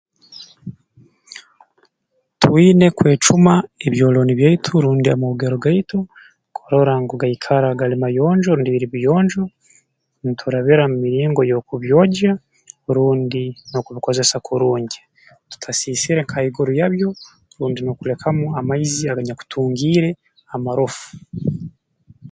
Twine kwecuma ebyolooni byaitu rundi amoogero gaitu kurora ngu gaikara gali mayonjo rundi biri biyonjo nturabira mu miringo y'okubyogya rundi n'okubikozesa kurungi tutasiisire nka haiguru yabyo rundi n'okulekamu amaizi aganyakutungiire amarofu